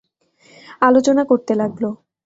আলোচনা করতে লাগল।